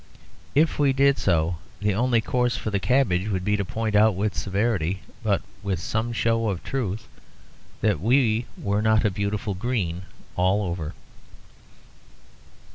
If we did so, the only course for the cabbage would be to point out with severity, but with some show of truth, that we were not a beautiful green all over.